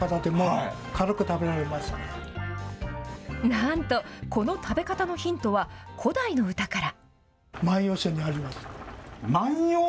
なんと、この食べ方のヒントは、古代の歌から。